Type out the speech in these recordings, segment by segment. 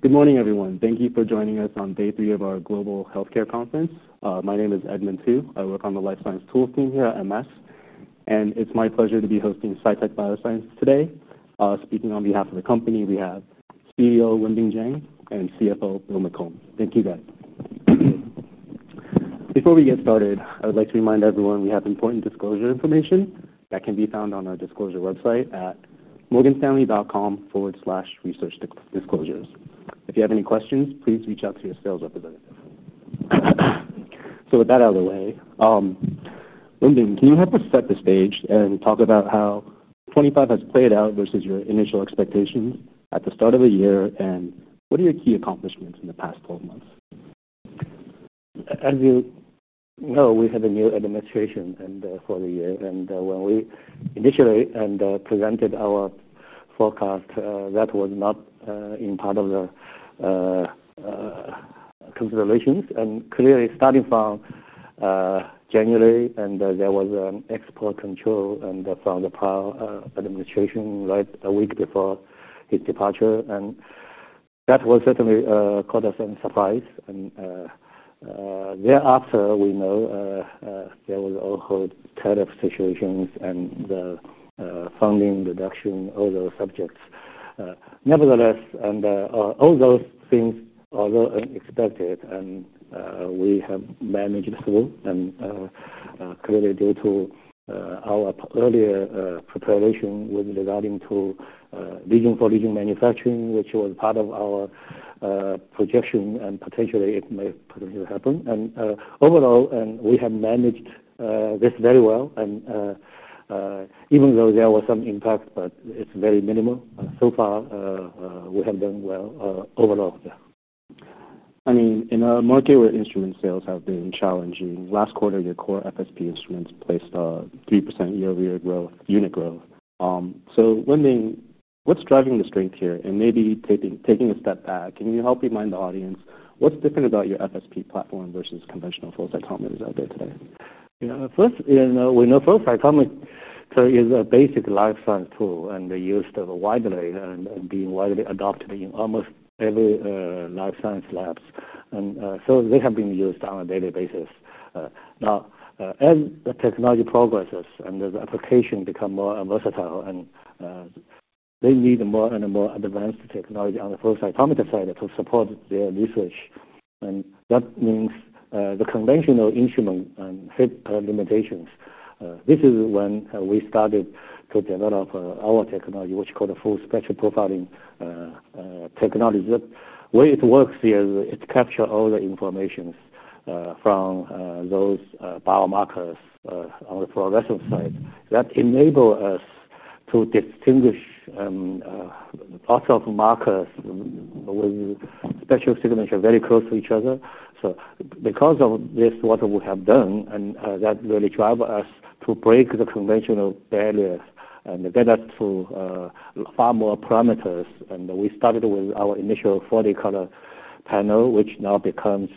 Good morning, everyone. Thank you for joining us on day three of our global healthcare conference. My name is Ed Minh Thu. I work on the life science tools team here at Morgan Stanley, and it's my pleasure to be hosting Cytek Biosciences Wenbin Jiang today. Speaking on behalf of the company, we have CEO Wenbin Jiang and CFO Bill McCombe. Thank you, Ed. Before we get started, I would like to remind everyone we have important disclosure information that can be found on our disclosure website at morganstanley.com/researchdisclosures. If you have any questions, please reach out to your sales representative. With that out of the way, Wenbin, can you help us set the stage and talk about how 2025 has played out versus your initial expectation at the start of the year, and what are your key accomplishments in the past 12 months? As you know, we have a new administration for the year, and when we initially presented our forecast, that was not in part of the considerations. Clearly, starting from January, there was an export control from the prior administration right a week before his departure, and that certainly caught us in surprise. Thereafter, we know there were also tariff situations and the funding reduction of those subjects. Nevertheless, all those things are unexpected, and we have managed through. Clearly, due to our earlier preparation regarding region-for-region manufacturing, which was part of our projection, and potentially it may happen. Overall, we have managed this very well. Even though there was some impact, it's very minimal. So far, we have done well overall. In our market, where instrument sales have been challenging, last quarter, your core Full Spectrum Profiling (FSP) instruments placed a 3% year-over-year unit growth. Wenbin, what's driving the strength here? Maybe taking a step back, can you help remind the audience what's different about your FSP platform versus conventional flow cytometers out there today? Yeah, first, you know we know flow cytometry is a basic life science tool and used widely and being widely adopted in almost every life science lab. They have been used on a daily basis. Now, as the technology progresses and the application becomes more versatile, they need more and more advanced technology on the flow cytometry side to support their research. That means the conventional instruments fit our limitations. This is when we started to develop our technology, which is called a full spectral profiling technology. The way it works is it captures all the information from those biomarkers on the fluorescence side. That enables us to distinguish autophilic markers with special signatures very close to each other. Because of this, what we have done, that really drives us to break the conventional barriers and get us to far more parameters. We started with our initial 40-color panel, which now becomes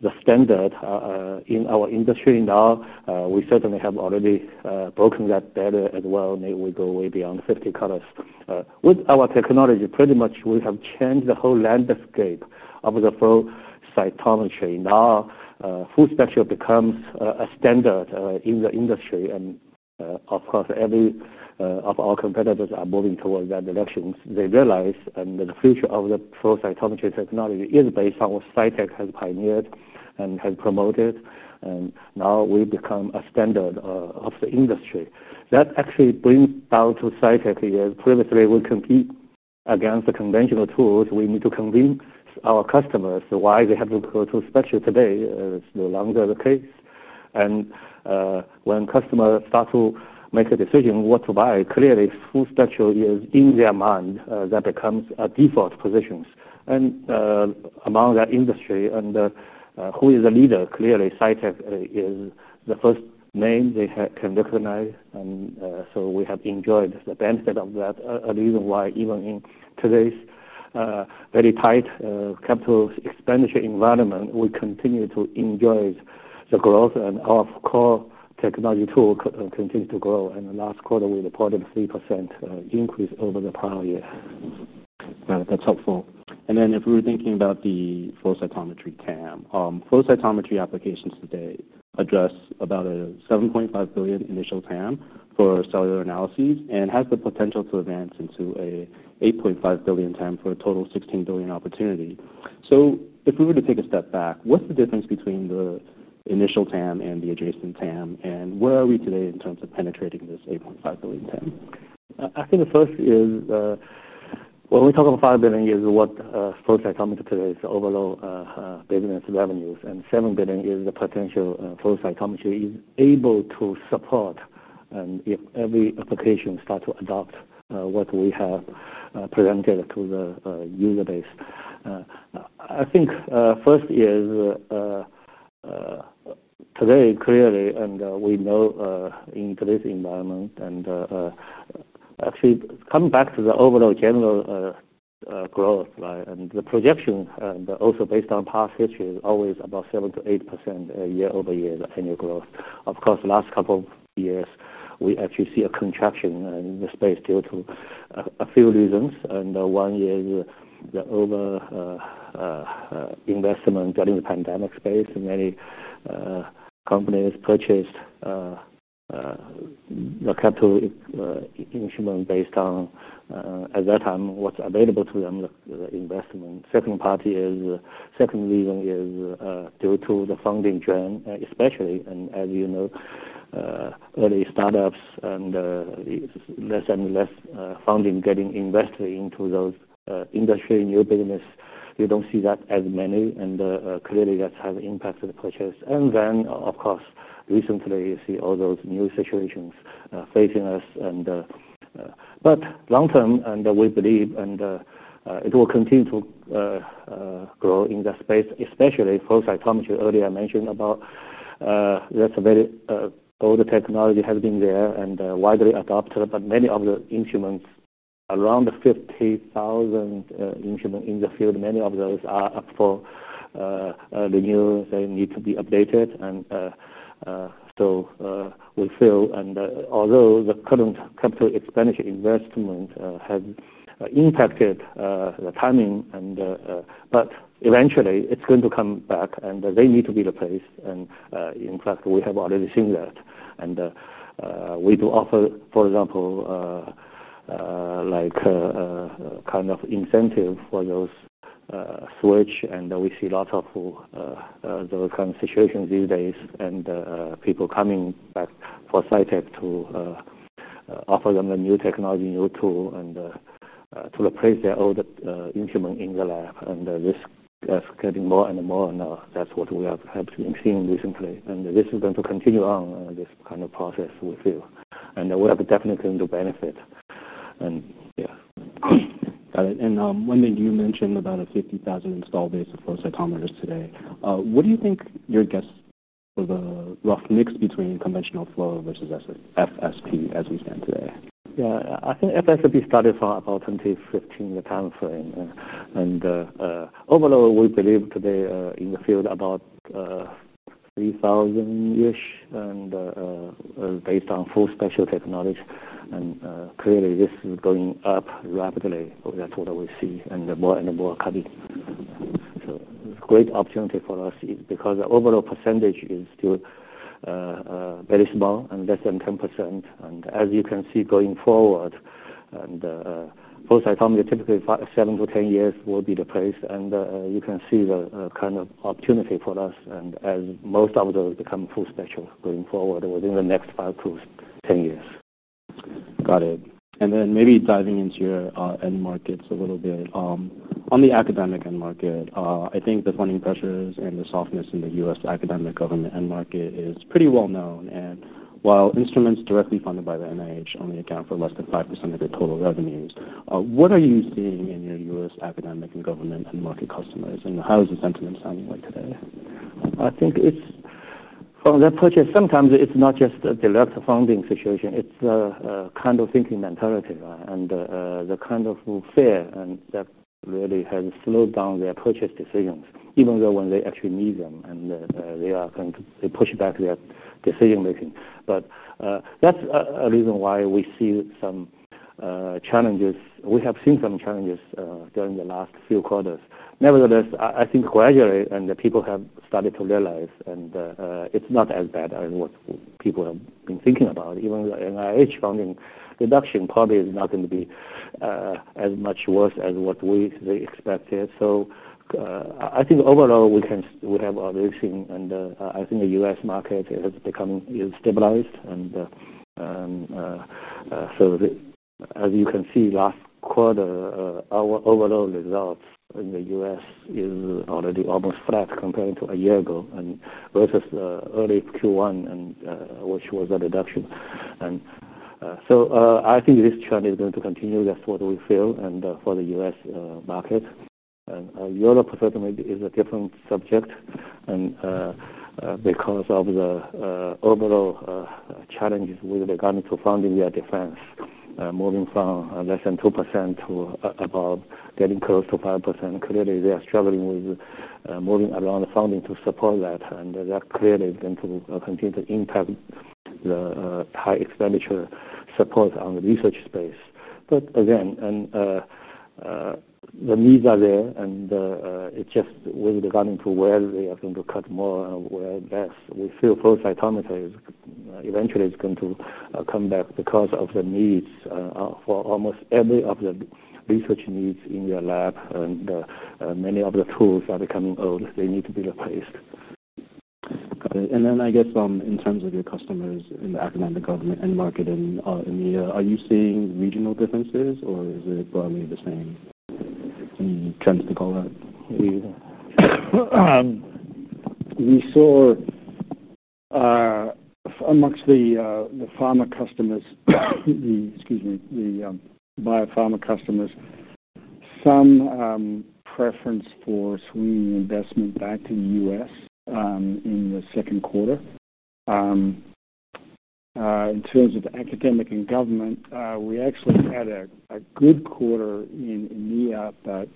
the standard in our industry. We certainly have already broken that barrier as well. We go way beyond 50 colors. With our technology, pretty much we have changed the whole landscape of the flow cytometry. Now, full spectral becomes a standard in the industry. Of course, every one of our competitors are moving towards that direction. They realize the future of the flow cytometry technology is based on what Cytek has pioneered and has promoted. Now we've become a standard of the industry. That actually brings down to Cytek is, pretty much we compete against the conventional tools. We need to convince our customers why they have to go to spectral today. It's no longer the case. When customers start to make a decision on what to buy, clearly, full spectral is in their mind. That becomes a default position. Among that industry, and who is the leader? Clearly, Cytek is the first name they can recognize. We have enjoyed the benefit of that. A reason why, even in today's very tight capital expenditure environment, we continue to enjoy the growth. Our core technology tool continues to grow. Last quarter, we reported a 3% increase over the prior year. Got it. That's helpful. If we were thinking about the flow cytometry TAM, flow cytometry applications today address about a $7.5 billion initial TAM for cellular analyses and have the potential to advance into an $8.5 billion TAM for a total of $16 billion opportunity. If we were to take a step back, what's the difference between the initial TAM and the adjacent TAM? Where are we today in terms of penetrating this $8.5 billion TAM? I think the first is, when we talk about $5 billion, is what flow cytometry today is overall business revenues. $7 billion is the potential flow cytometry is able to support. If every application starts to adopt what we have presented to the user base, I think first is today, clearly, and we know in today's environment, and actually coming back to the overall general growth, right? The projection, and also based on past history, is always about 7% to 8% year-over-year annual growth. Of course, the last couple of years, we actually see a contraction in the space due to a few reasons. One is the over-investment during the pandemic space. Many companies purchased the capital instrument based on, at that time, what's available to them, the investment. Second reason is due to the funding trend, especially. As you know, early startups and less and less funding getting invested into those industry new business, you don't see that as many. Clearly, that has impacted the purchase. Recently, you see all those new situations facing us. Long term, we believe it will continue to grow in that space, especially flow cytometry. Earlier, I mentioned about that's a very older technology, has been there and widely adopted. Many of the instruments, around 50,000 instruments in the field, many of those are up for renewal. They need to be updated. We feel, although the current capital expenditure investment has impacted the timing, eventually, it's going to come back, and they need to be replaced. In fact, we have already seen that. We do offer, for example, like a kind of incentive for those switch. We see lots of those kinds of situations these days, people coming back for Cytek to offer them a new technology, new tool, to replace their old instrument in the lab. This is getting more and more now. That's what we have been seeing recently. This is going to continue on this kind of process, we feel. We have definitely the benefit. Got it. Wenbin, you mentioned about a 50,000 install base of flow cytometers today. What do you think your guess for the mix between conventional flow versus FSP as we stand today? Yeah, I think FSP started from about 2015 timeframe. Overall, we believe today in the field about 3,000-ish, and based on full spectral technology. Clearly, this is going up rapidly. That's what we see. More and more coming. It's a great opportunity for us because the overall percentage is still very small and less than 10%. As you can see, going forward, flow cytometry typically 7 to 10 years will be the place. You can see the kind of opportunity for us as most of those become full spectral going forward within the next 5 to 10 years. Got it. Maybe diving into your end markets a little bit. On the academic end market, I think the funding pressures and the softness in the U.S. academic government end market is pretty well known. While instruments directly funded by the NIH only account for less than 5% of their total revenues, what are you seeing in your U.S. academic and government end market customers? How does the sentiment sound like today? I think it's on that purchase. Sometimes it's not just the deluxe funding situation. It's the kind of thinking mentality and the kind of fear. That really has slowed down their purchase decisions, even though when they actually need them, they push back their decision-making. That's a reason why we see some challenges. We have seen some challenges during the last few quarters. Nevertheless, I think gradually, people have started to realize it's not as bad as what people have been thinking about. Even the NIH funding reduction probably is not going to be as much worse as what we expected. I think overall, we have already seen, and I think the U.S. market has become stabilized. As you can see, last quarter, our overall results in the U.S. are already almost flat compared to a year ago and versus early Q1, which was a reduction. I think this trend is going to continue. That's what we feel for the U.S. market. Europe certainly is a different subject because of the overall challenges with regard to funding their defense, moving from less than 2% to about getting close to 5%. Clearly, they are struggling with moving around the funding to support that. That clearly is going to continue to impact the high expenditure support on the research space. Again, the needs are there. It's just with regard to where they are going to cut more and where less. We feel flow cytometry eventually is going to come back because of the needs for almost every of the research needs in your lab. Many of the tools are becoming old. They need to be replaced. Got it. I guess in terms of your customers in the academic, government, and market in EMEA, are you seeing regional differences, or is it broadly the same? Any trends to go on? We saw amongst the pharma customers, excuse me, the biopharma customers, some preference for swinging investment back to the U.S. in the second quarter. In terms of academic and government, we actually had a good quarter in EMEA, but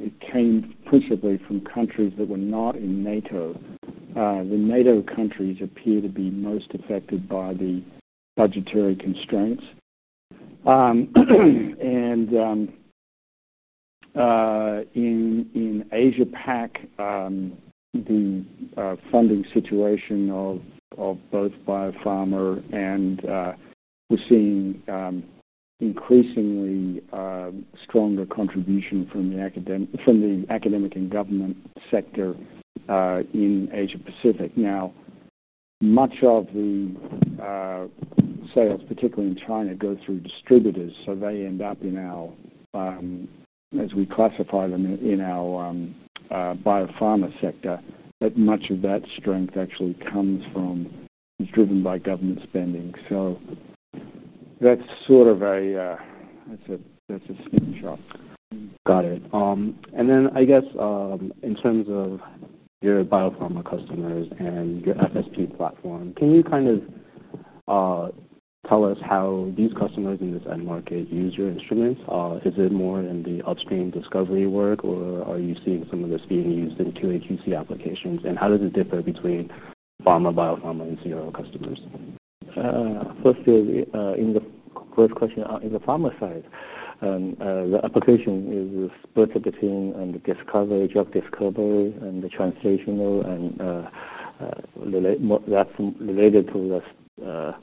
it came principally from countries that were not in NATO. The NATO countries appear to be most affected by the budgetary constraints. In Asia-Pacific, the funding situation of both biopharma and we're seeing increasingly stronger contribution from the academic and government sector in Asia-Pacific. Much of the sales, particularly in China, go through distributors. They end up in our, as we classify them, in our biopharma sector. Much of that strength actually comes from, is driven by government spending. That's a screenshot. Got it. In terms of your biopharma customers and your FSP platform, can you kind of tell us how these customers in this end market use your instruments? Is it more in the upstream discovery work, or are you seeing some of this being used in 2AQC applications? How does it differ between pharma, biopharma, and CRO customers? First is in the first question on the pharma side. The application is split between the discovery, drug discovery, and the translational, and that's related to the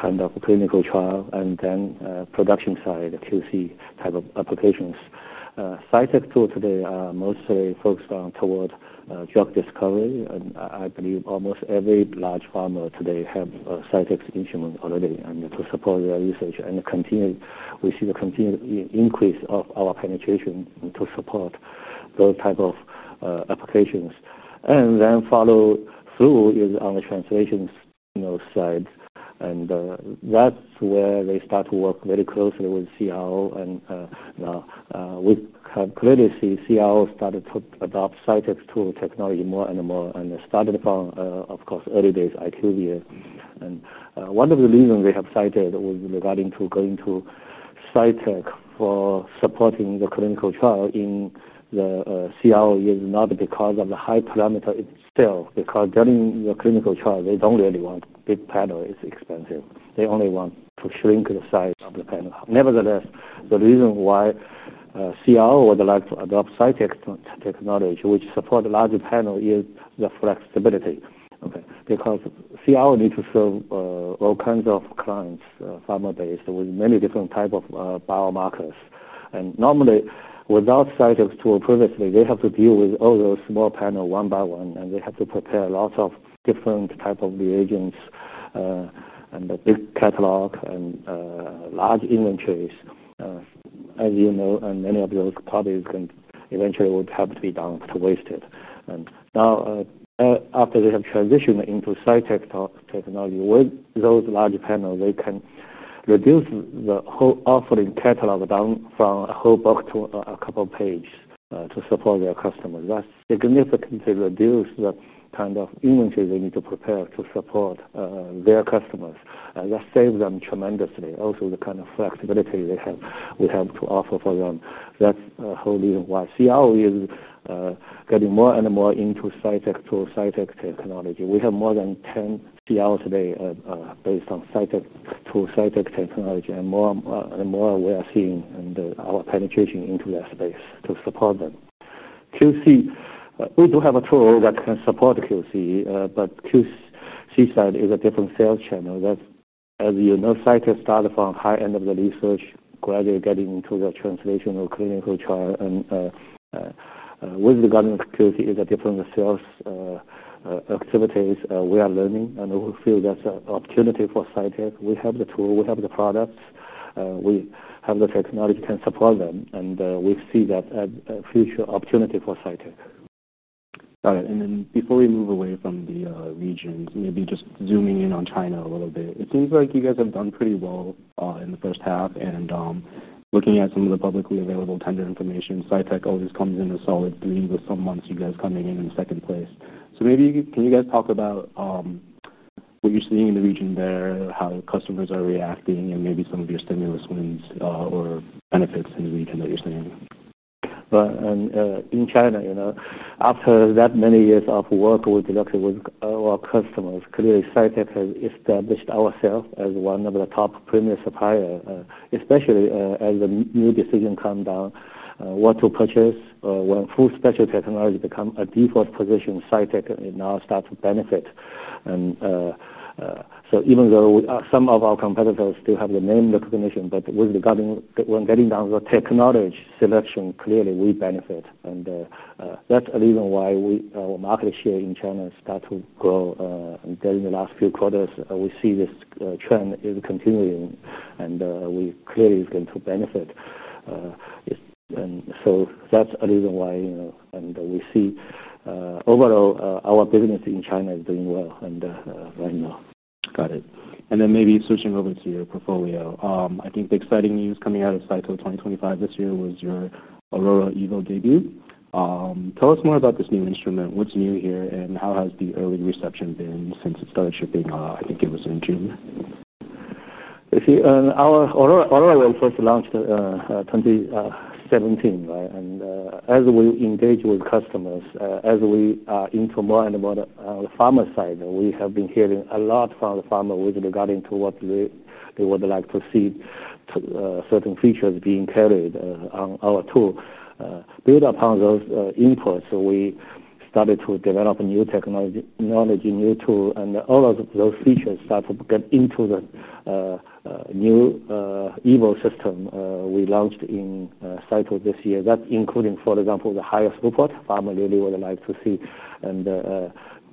kind of clinical trial. Then production side, QC type of applications. Cytek tools today are mostly focused on toward drug discovery. I believe almost every large pharma today has Cytek's instrument already to support their research. We see the continued increase of our penetration to support those types of applications. Follow through is on the translational side. That's where they start to work very closely with CRO. Now we can clearly see CRO started to adopt Cytek tool technology more and more. They started on, of course, early days IQV. One of the reasons they have cited with regarding to going to Cytek for supporting the clinical trial in the CRO is not because of the high parameter. It's still because during the clinical trial, they don't really want a big panel. It's expensive. They only want to shrink the size of the panel. Nevertheless, the reason why CRO would like to adopt Cytek technology, which supports a larger panel, is the flexibility. CRO needs to show all kinds of clients, pharma-based, with many different types of biomarkers. Normally, without Cytek's tool previously, they have to deal with all those small panels one by one. They have to prepare lots of different types of reagents and a big catalog and large inventories. As you know, many of those probably eventually would have to be dumped to waste it. Now, after they have transitioned into Cytek technology, with those large panels, they can reduce the whole offering catalog down from a whole book to a couple of pages to support their customers. That significantly reduces the kind of inventory they need to prepare to support their customers. That saves them tremendously. Also, the kind of flexibility they have, we have to offer for them. That's why CRO is getting more and more into Cytek tools, Cytek technology. We have more than 10 CRO today based on Cytek tools, Cytek technology. More and more, we are seeing our penetration into that space to support them. QC, we do have a tool that can support QC. QC side is a different sales channel. As you know, Cytek started from the high end of the research, gradually getting into the translational clinical trial. With regarding QC, it's a different sales activity. We are learning. We feel that's an opportunity for Cytek. We have the tool. We have the products. We have the technology that can support them. We see that as a future opportunity for Cytek. Got it. Before we move away from the regions, maybe just zooming in on China a little bit. It seems like you guys have done pretty well in the first half. Looking at some of the publicly available tender information, Cytek always comes in a solid three with some months you guys coming in in second place. Maybe can you guys talk about what you're seeing in the region there, how customers are reacting, and maybe some of your stimulus wins or benefits in the region that you're seeing? In China, you know, after that many years of work with our customers, clearly, Cytek has established ourselves as one of the top premium suppliers, especially as the new decision comes down what to purchase. When full spectral technology becomes a default position, Cytek now starts to benefit. Even though some of our competitors still have the name recognition, with regarding when getting down to the technology selection, clearly, we benefit. That's the reason why our market share in China starts to grow. During the last few quarters, we see this trend is continuing. We clearly are going to benefit. That's the reason why, you know, and we see overall our business in China is doing well. Right now. Got it. Maybe switching over to your portfolio, I think the exciting news coming out of Cytek 2025 this year was your Aurora Evo debut. Tell us more about this new instrument. What's new here? How has the early reception been since it started shipping out? I think it was in June. Our Aurora Evo was supposed to launch 2017, right? As we engage with customers, as we are into more and more on the pharma side, we have been hearing a lot from the pharma with regarding to what they would like to see, certain features being tailored on our tool. Built upon those inputs, we started to develop new technology, new tools, and all of those features start to get into the new Evo system we launched in Cytek this year. That including, for example, the highest support pharma really would like to see.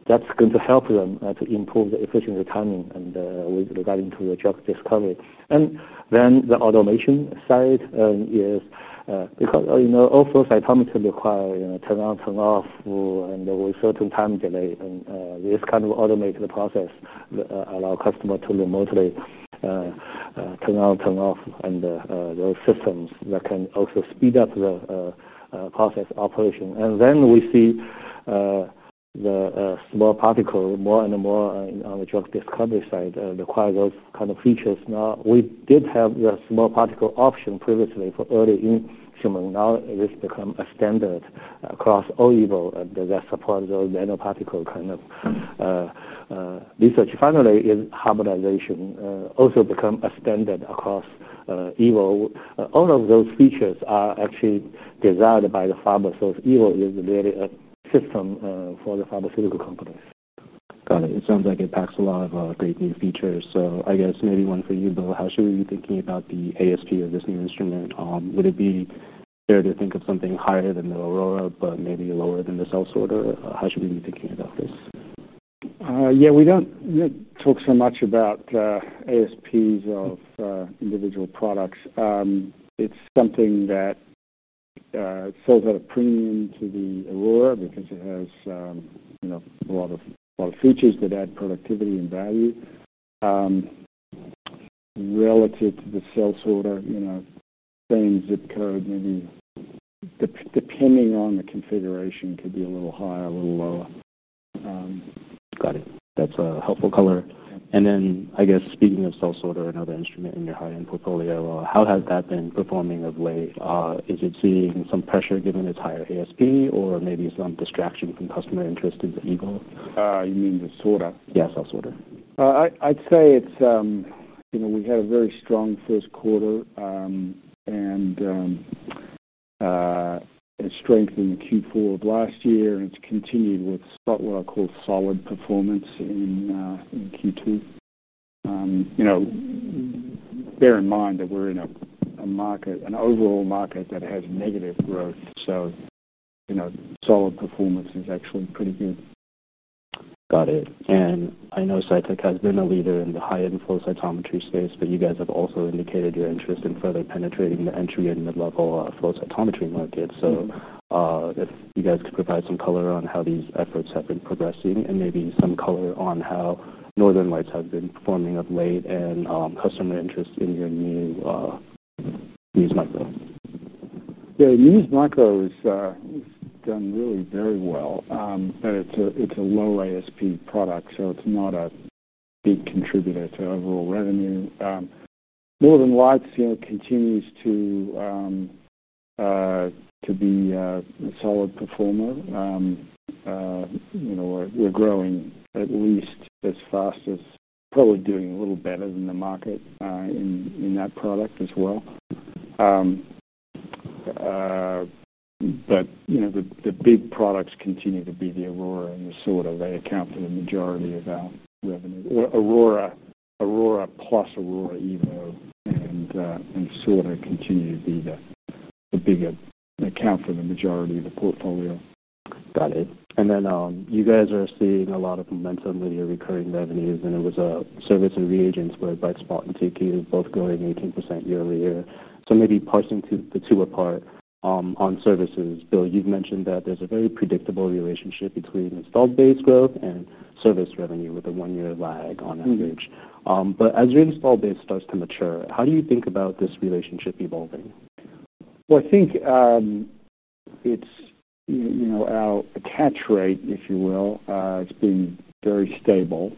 That's going to help them to improve the efficiency timing and with regarding to the drug discovery. The automation side is because all flow cytometry require turn-on, turn-off, and with certain time delay. This kind of automated process allows customers to remotely turn on, turn off, and those systems that can also speed up the process operation. We see the small particles more and more on the drug discovery side require those kinds of features. We did have the small particle option previously for early instruments. Now, this has become a standard across all Evo that supports those nanoparticle kind of research. Finally, harmonization also becomes a standard across Evo. All of those features are actually desired by the pharma. Evo is really a system for the pharmaceutical companies. Got it. It sounds like it packs a lot of great new features. I guess maybe one for you, Bill, how should we be thinking about the ASP of this new instrument? Would it be fair to think of something higher than the Aurora, but maybe lower than the cell sorter? How should we be thinking about this? Yeah, we don't talk so much about the ASPs of individual products. It's something that falls at a premium to the Aurora because it has a lot of features that add productivity and value. Relative to the cell sorter, same zip code, maybe depending on the configuration could be a little higher, a little lower. Got it. That's a helpful color. I guess speaking of cell sorter, another instrument in your high-end portfolio, how has that been performing of late? Is it seeing some pressure given its higher ASP, or maybe some distraction from customer interest in the Evo? You mean the cell sorter? Yeah, cell sorter. I'd say it's, you know, we had a very strong first quarter, and it strengthened the Q4 of last year. It's continued with what I call solid performance in Q2. Bear in mind that we're in an overall market that has negative growth. Solid performance is actually pretty good. Got it. I know Cytek has been a leader in the high-end flow cytometry space, but you guys have also indicated your interest in further penetrating the entry and mid-level flow cytometry market. If you guys could provide some color on how these efforts have been progressing and maybe some color on how Northern Lights have been performing of late and customer interest in your new Ming Yan Micro. Yeah, Ming Yan Micro has done really very well, but it's a low ASP product, so it's not a big contributor to overall revenue. Northern Lights continues to be a solid performer. We're growing at least as fast as, probably doing a little better than, the market in that product as well. The big products continue to be the Aurora and the sorter. They account for the majority of our revenue. Aurora plus Aurora Evo and sorter continue to be the bigger account for the majority of the portfolio. Got it. You guys are seeing a lot of momentum in your recurring revenues. It was service and reagents where both grew 18% year-over-year in Q2. Maybe parsing the two apart, on services, Bill, you've mentioned that there's a very predictable relationship between installed base growth and service revenue with a one-year lag on FSP. As your install base starts to mature, how do you think about this relationship evolving? I think it's, you know, our attach rate, if you will, has been very stable.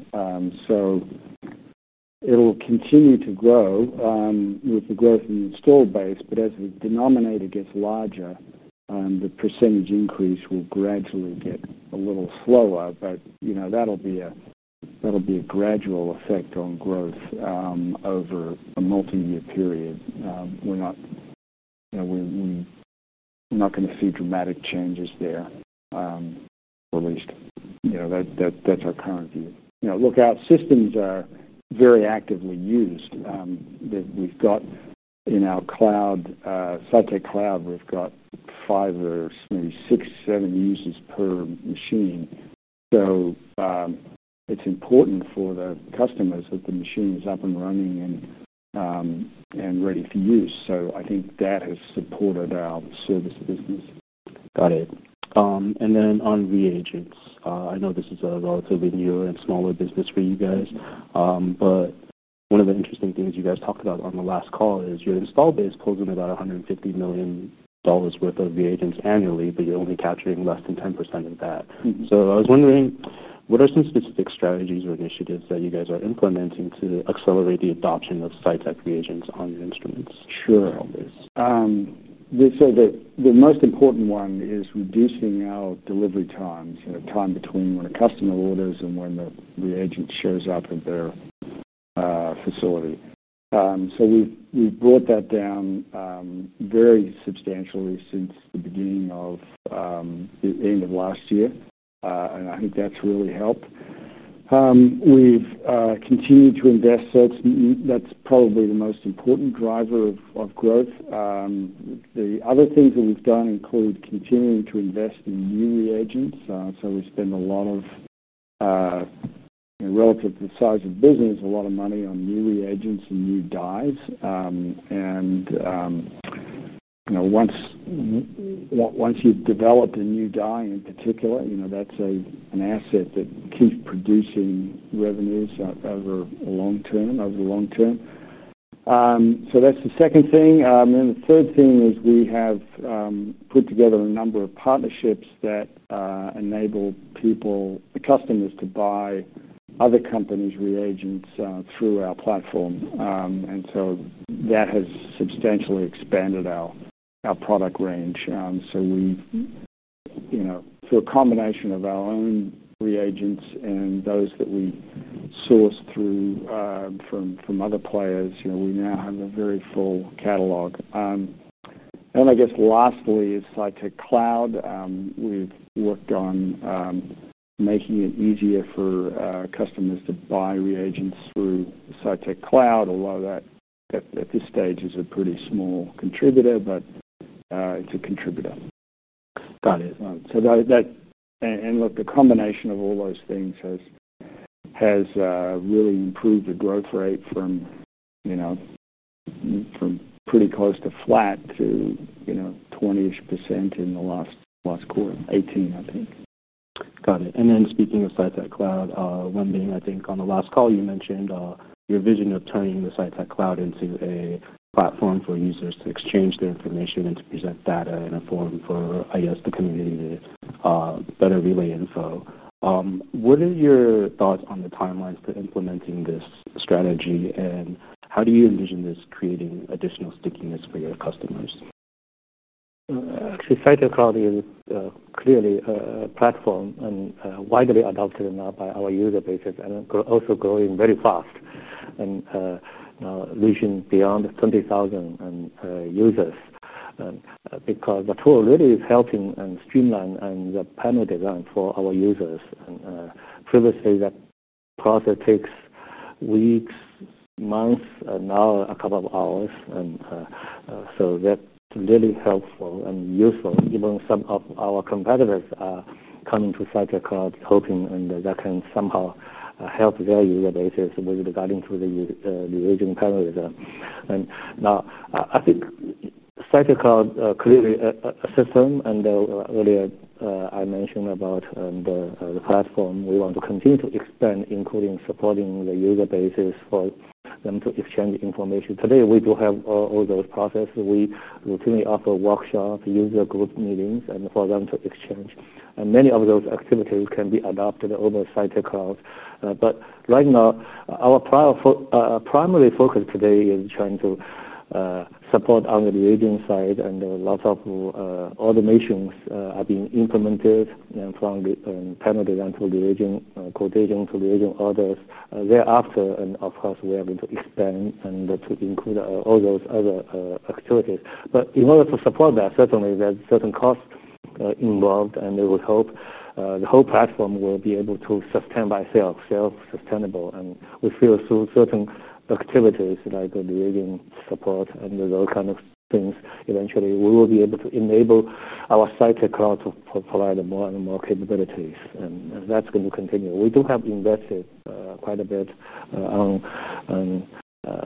It'll continue to grow with the growth in the installed base. As the denominator gets larger, the % increase will gradually get a little slower. That'll be a gradual effect on growth over a multi-year period. We're not going to see dramatic changes there, at least. That's our current view. Look, our systems are very actively used. We've got in our cloud, Cytek Cloud, we've got five or maybe six, seven users per machine. It's important for the customers that the machine is up and running and ready for use. I think that has supported our service business. Got it. On reagents, I know this is a relatively new and smaller business for you guys. One of the interesting things you guys talked about on the last call is your install base pulls in about $150 million worth of reagents annually, but you're only capturing less than 10% of that. I was wondering, what are some specific strategies or initiatives that you guys are implementing to accelerate the adoption of Cytek reagents on your instruments? Sure, Aldis. The most important one is reducing our delivery times, the time between when a customer orders and when the reagent shows up at their facility. We've brought that down very substantially since the beginning of the end of last year, and I think that's really helped. We've continued to invest. That's probably the most important driver of growth. The other things that we've done include continuing to invest in new reagents. We spend a lot of, you know, relative to the size of the business, a lot of money on new reagents and new dyes. Once you've developed a new dye in particular, that's an asset that keeps producing revenues over the long term. That's the second thing. The third thing is we have put together a number of partnerships that enable customers to buy other companies' reagents through our platform, and that has substantially expanded our product range. Through a combination of our own reagents and those that we source from other players, we now have a very full catalog. Lastly, Cytek Cloud, we've worked on making it easier for customers to buy reagents through Cytek Cloud, although that at this stage is a pretty small contributor, but it's a contributor. Got it. The combination of all those things has really improved the growth rate from pretty close to flat to 20% in the last quarter, 18%, I think. Got it. Speaking of Cytek Cloud, Wenbin, I think on the last call, you mentioned your vision of turning the Cytek Cloud into a platform for users to exchange their information and to present data in a forum for the community to better relay info. What are your thoughts on the timelines for implementing this strategy? How do you envision this creating additional stickiness for your customers? Actually, Cytek Cloud is clearly a platform and widely adopted now by our user bases and also growing very fast. The vision is beyond 20,000 users because the tool really is helping and streamlining the panel design for our users. Previously, that process takes weeks, months, and now a couple of hours. That's really helpful and useful. Even some of our competitors are coming to Cytek Cloud hoping that that can somehow help their user bases with regard to the reagent panelism. I think Cytek Cloud clearly is a system. Earlier, I mentioned about the platform. We want to continue to expand, including supporting the user bases for them to exchange information. Today, we do have all those processes. We routinely offer workshops and user group meetings for them to exchange. Many of those activities can be adopted over Cytek Cloud. Right now, our primary focus today is trying to support on the reagent side. Lots of automations are being implemented from the panel design to reagent, coagent to reagent orders thereafter. Of course, we are going to expand and to include all those other activities. In order to support that, certainly, there's certain costs involved. They would hope the whole platform will be able to sustain by itself, self-sustainable. We feel through certain activities like reagent support and those kinds of things, eventually, we will be able to enable our Cytek Cloud to provide more and more capabilities. That's going to continue. We do have invested quite a bit on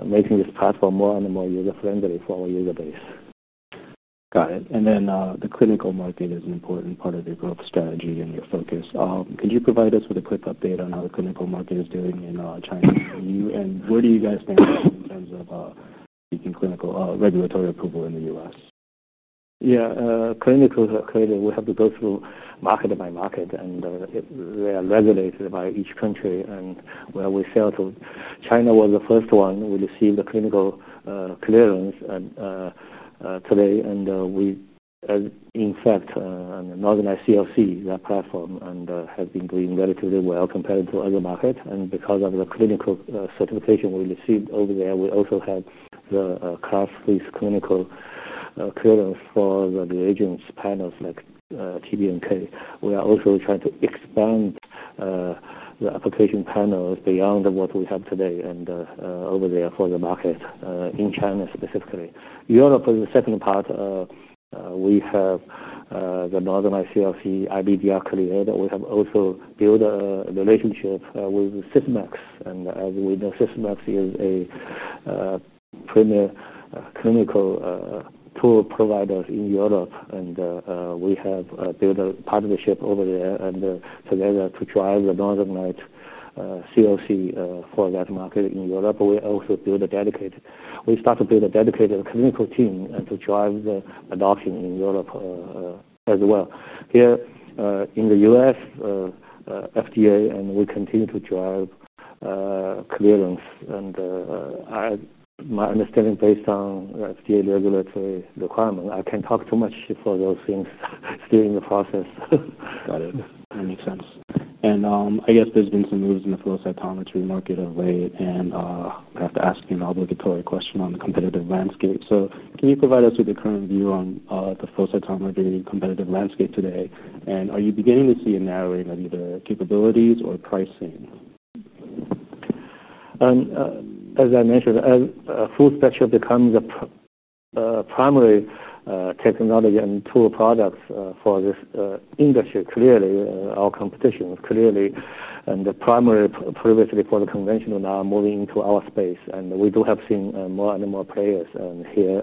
making this platform more and more user-friendly for our user base. Got it. The clinical market is an important part of your growth strategy and your focus. Could you provide us with a quick update on how the clinical market is doing in China? Where do you guys stand in terms of seeking clinical regulatory approval in the U.S.? Yeah, clinical clearly, we have to go through market by market. They are regulated by each country. Where we sell to, China was the first one who received the clinical clearance today. In fact, Northern Lights CLC, that platform, has been doing relatively well compared to other markets because of the clinical certification we received over there. We also have the cash-free clinical clearance for the reagents panels like TBMK. We are also trying to expand the application panels beyond what we have today over there for the market in China specifically. Europe is the second part. We have the Northern Lights CLC IVD-R cleared. We have also built a relationship with Sysmex. As we know, Sysmex is a premier clinical tool provider in Europe. We have built a partnership over there together to drive the Northern Lights CLC for that market in Europe. We also started to build a dedicated clinical team to drive the adoption in Europe as well. Here in the U.S., FDA, and we continue to drive clearance. My understanding based on FDA regulatory requirements, I can't talk too much for those things. Still in the process. Got it. That makes sense. I guess there's been some moves in the flow cytometry market of late. I have to ask an obligatory question on the competitive landscape. Can you provide us with the current view on the flow cytometry competitive landscape today? Are you beginning to see a narrowing of either capabilities or pricing? As I mentioned, as full spectrum becomes a primary technology and tool product for this industry, clearly, our competition is clearly the primary previously for the conventional, now moving into our space. We do have seen more and more players here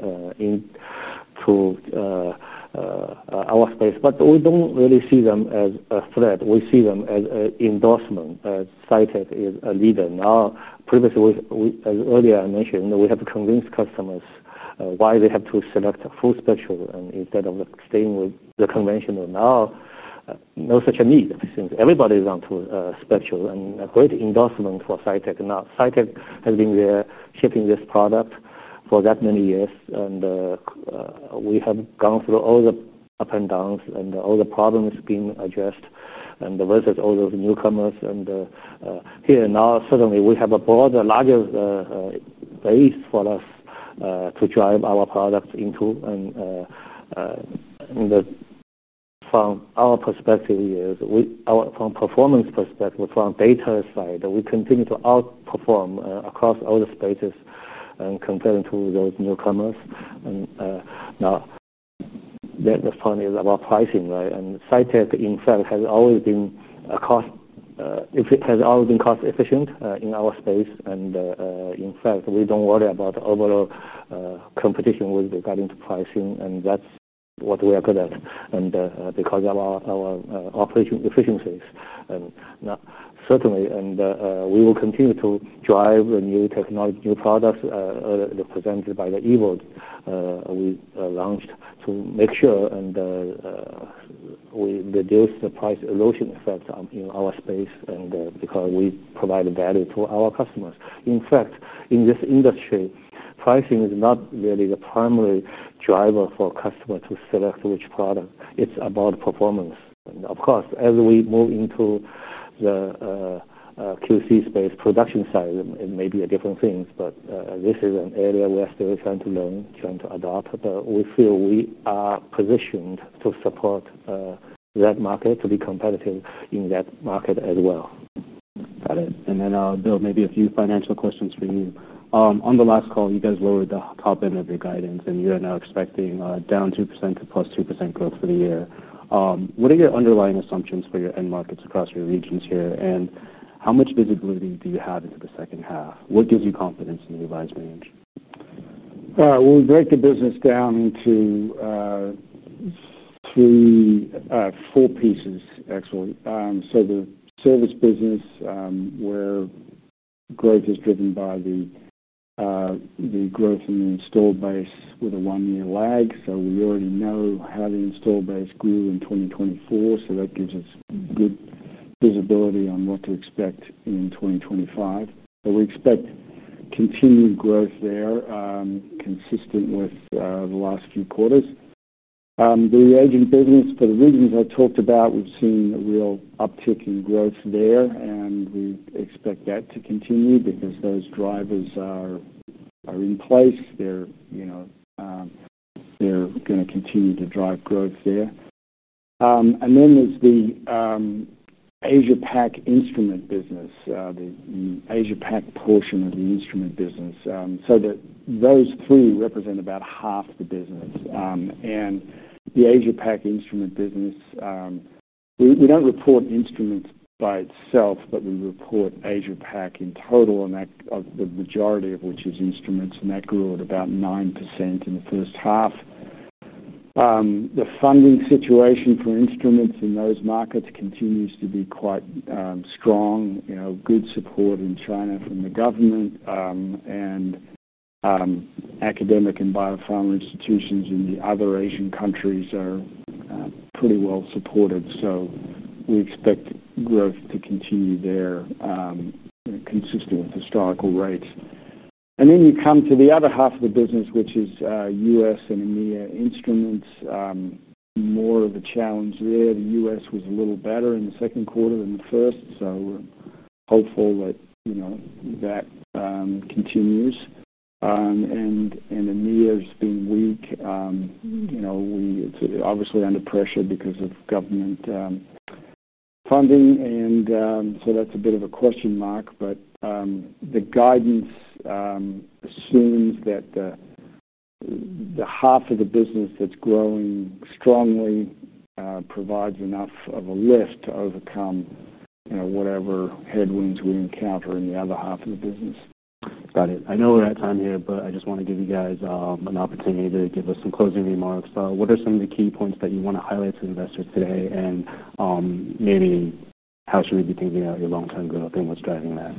into our space. We don't really see them as a threat. We see them as an endorsement. Cytek is a leader. Previously, as earlier I mentioned, we had to convince customers why they have to select full spectrum instead of staying with the conventional. Now, no such a need since everybody wants to spectrum and a great endorsement for Cytek. Cytek has been there shipping this product for that many years. We have gone through all the ups and downs, and all the problems being addressed versus all the newcomers. Here now, certainly, we have a broader, larger base for us to drive our product into. From our perspective, from a performance perspective, from a beta side, we continue to outperform across all the spaces compared to those newcomers. Now, the fun is about pricing, right? Cytek, in fact, has always been cost-efficient in our space. In fact, we don't worry about overall competition with regarding to pricing. That's what we are good at because of our operating efficiencies. Now, certainly, we will continue to drive new technology, new products presented by the Evo we launched to make sure and reduce the price erosion effect in our space because we provide value to our customers. In fact, in this industry, pricing is not really the primary driver for customers to select which product. It's about performance. Of course, as we move into the QC space, production size, it may be a different thing. This is an area we are still trying to learn, trying to adopt. We feel we are positioned to support that market, to be competitive in that market as well. Got it. Bill, maybe a few financial questions for you. On the last call, you guys lowered the top end of the guidance, and you are now expecting down 2% to plus 2% growth for the year. What are your underlying assumptions for your end markets across your regions here? How much visibility do you have into the second half? What gives you confidence in the advice range? We'll break the business down into three or four pieces, actually. The service business, where growth is driven by the growth in the install base with a one-year lag. We already know how the install base grew in 2024, so that gives us good visibility on what to expect in 2025. We expect continued growth there, consistent with the last few quarters. The reagent business for the regions I talked about, we've seen a real uptick in growth there, and we expect that to continue because those drivers are in place. They're going to continue to drive growth there. Then there's the Asia-Pacific instrument business, the Asia-Pacific portion of the instrument business. Those three represent about half the business. The Asia-Pacific instrument business, we don't report instruments by itself, but we report Asia-Pacific in total, and the majority of which is instruments. That grew at about 9% in the first half. The funding situation for instruments in those markets continues to be quite strong. There is good support in China from the government, and academic and biopharma institutions in the other Asian countries are pretty well supported. We expect growth to continue there, consistent with historical rates. You come to the other half of the business, which is U.S. and EMEA instruments. More of a challenge there. The U.S. was a little better in the second quarter than the first, so we're hopeful that continues. EMEA has been weak. We obviously are under pressure because of government funding, so that's a bit of a question mark. The guidance assumes that the half of the business that's growing strongly provides enough of a lift to overcome whatever headwinds we encounter in the other half of the business. Got it. I know we're at time here, but I just want to give you guys an opportunity to give us some closing remarks. What are some of the key points that you want to highlight to investors today? Maybe how should we be thinking about your long-term growth and what's driving that?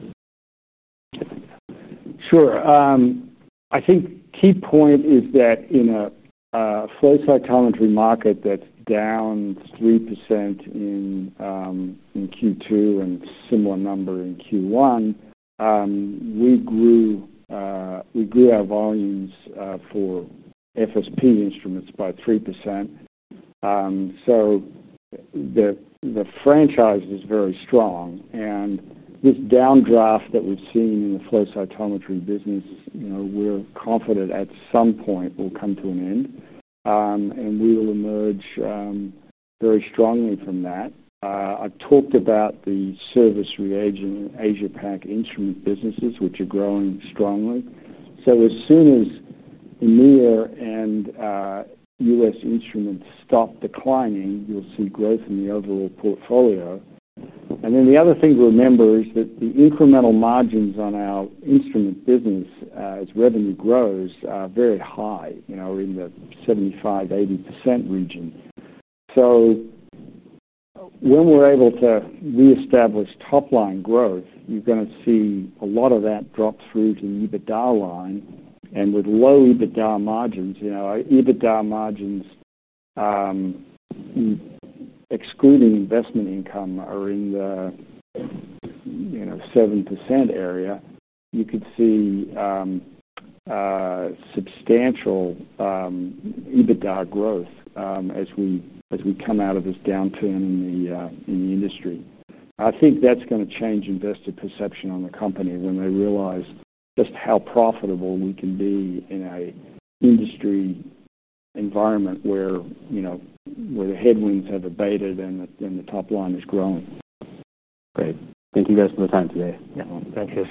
Sure. I think the key point is that in a flow cytometry market that's down 3% in Q2 and a similar number in Q1, we grew our volumes for FSP instruments by 3%. The franchise was very strong. This downdraft that we've seen in the flow cytometry business is, you know, we're confident at some point will come to an end. We will emerge very strongly from that. I talked about the service, reagent, and Asia-Pacific instrument businesses, which are growing strongly. As soon as EMEA and U.S. instruments stop declining, you'll see growth in the overall portfolio. The other thing to remember is that the incremental margins on our instrument business as revenue grows are very high, in the 75%, 80% region. When we're able to reestablish top-line growth, you're going to see a lot of that drop through to the EBITDA line. With low EBITDA margins, EBITDA margins, excluding investment income, are in the 7% area. You could see substantial EBITDA growth as we come out of this downturn in the industry. I think that's going to change investor perception on the company when they realize just how profitable we can be in an industry environment where the headwinds have abated and the top line is growing. Great. Thank you guys for the time today. Thank you.